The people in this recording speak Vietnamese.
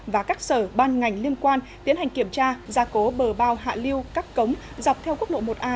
và các sở ban ngành liên quan tiến hành kiểm tra gia cố bờ bao hạ liêu các cống dọc theo quốc lộ một a